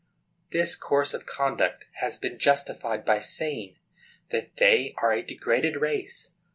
This course of conduct has been justified by saying that they are a degraded race.